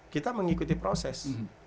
kita mengikuti proses